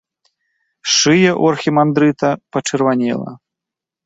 Шыя ў архімандрыта пачырванела.